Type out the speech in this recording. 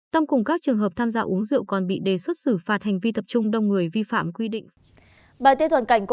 tâm cùng các trường hợp tham gia uống rượu còn bị đề xuất xử phạt hành vi tập trung đông người vi phạm quy định